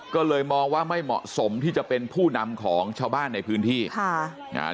ก็เลยมองว่าไม่เหมาะสมที่จะเป็นผู้นำของชาวบ้านในพื้นที่ค่ะนะฮะ